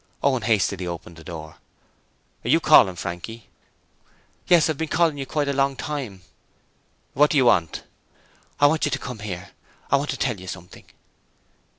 Owen hastily opened the door. 'Are you calling, Frankie?' 'Yes. I've been calling you quite a long time.' 'What do you want?' 'I want you to come here. I want to tell you something.'